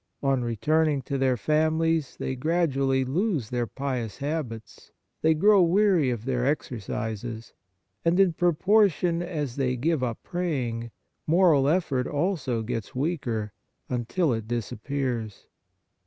On re turning totheir families they gradually lose their pious habits, they grow weary of their exercises, and in pro portion as they give up praying, moral effort also gets weaker, until it disappears.